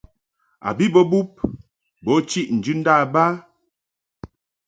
A bi bə bub bo chiʼ njɨndab ba.